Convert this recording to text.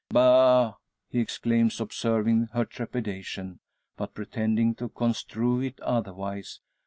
"Bah!" he exclaims, observing her trepidation, but pretending to construe it otherwise.